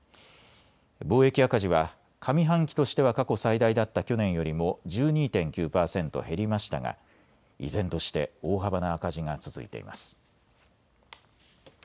貿易赤字は上半期としては過去最大だった去年よりも１２．９％減りましたが依然として大幅な赤字が続いています。